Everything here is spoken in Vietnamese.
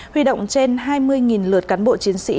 huy động trên hai mươi lượt cán bộ chiến sĩ